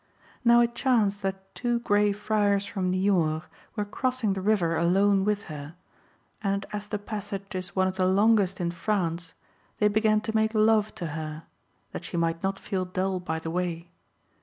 Now it chanced that two Grey Friars from Nyort were crossing the river alone with her, and as the passage is one of the longest in France, they began to make love to her, that she might not feel dull by the way.